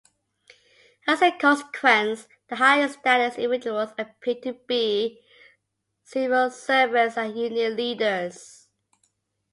As a consequence, the higher-status individuals appear to be civil servants and union leaders.